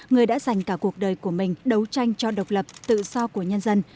người đã dành cả cuộc đời của mình đấu tranh cho độc lập tự do của nhân dân